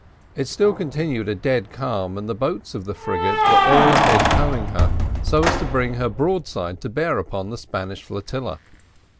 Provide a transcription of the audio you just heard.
It still continued a dead calm, and the boats of the frigate were all ahead towing her, so as to bring her broadside to bear upon the Spanish flotilla.